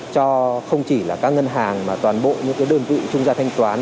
cho không chỉ các ngân hàng mà toàn bộ đơn vị chung gia thanh toán